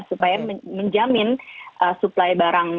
supaya menjamin supply barang di bbm